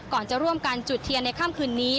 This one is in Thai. ก่อนจะร่วมกันจุดเทียนในค่ำคืนนี้